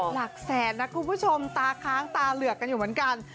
หลักแสนนะคุณผู้ชมตาค้างตาเหลือกกันอยู่เหมือนกัน